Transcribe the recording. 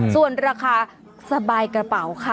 ส่วนราคาสบายกระเป๋าค่ะ